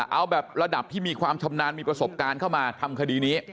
เอาแบบระดับที่มีความชำนาญมีประสบการณ์เข้ามาทำคดีนี้